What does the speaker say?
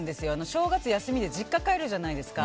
正月休みで実家帰るじゃないですか。